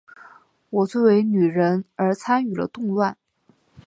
我作为女人而参与了动乱。